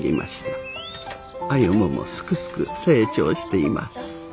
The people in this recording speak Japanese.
歩もすくすく成長しています。